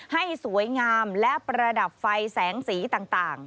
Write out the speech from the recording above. ให้สวยงามและประดับไฟแสงสีต่าง